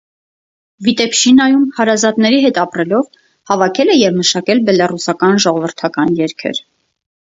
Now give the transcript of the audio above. Վիտեբշինայում հարազատների հետ ապրելով՝ հավաքել է և մշակել բելառուսական ժողովրդական երգեր։